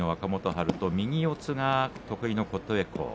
春と右四つが得意の琴恵光。